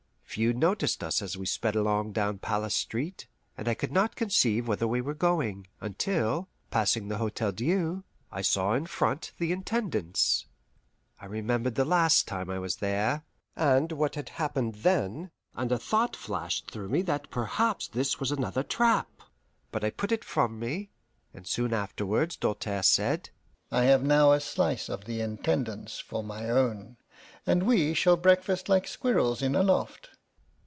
Few noticed us as we sped along down Palace Street and I could not conceive whither we were going, until, passing the Hotel Dieu, I saw in front the Intendance. I remembered the last time I was there, and what had happened then, and a thought flashed through me that perhaps this was another trap. But I put it from me, and soon afterwards Doltaire said: "I have now a slice of the Intendance for my own, and we shall breakfast like squirrels in a loft."